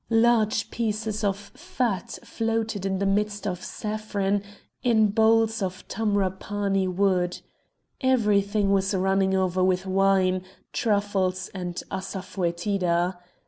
Large pieces of fat floated in the midst of saffron in bowls of Tamrapanni wood. Everything was running over with wine, truffles, and asafotida.